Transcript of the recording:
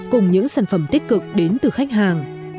cùng những sản phẩm tích cực đến từ khách hàng